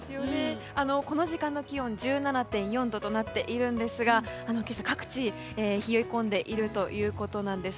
この時間の気温１７．４度となっているんですが今朝、各地冷え込んでいるということなんです。